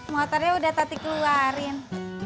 motornya udah tadi keluarin